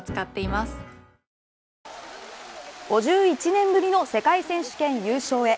５１年ぶりの世界選手権優勝へ。